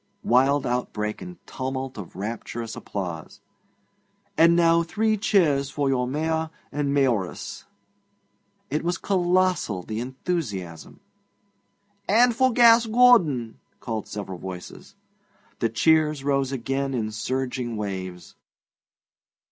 (Wild outbreak and tumult of rapturous applause.) And now three cheers for your Mayor and Mayoress!' It was colossal, the enthusiasm. 'And for Gas Gordon!' called several voices. The cheers rose again in surging waves.